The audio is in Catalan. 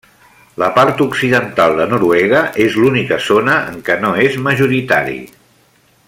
La part occidental de Noruega és l'única zona en què no és majoritari.